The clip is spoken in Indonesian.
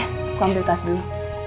aku ambil tas dulu